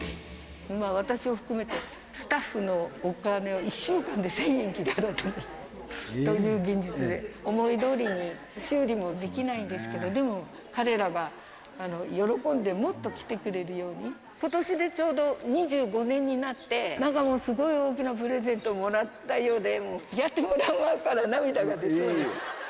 私を含めてスタッフのお金を１週間で１０００円しか払えないという現実で、思いどおりに修理もできないんですけど、でも、彼らが喜んでもっと来てくれるように、ことしでちょうど２５年になって、なんかもう、すごい大きなプレゼントをもらったようで、もう、やってもらう前から涙が出そうです。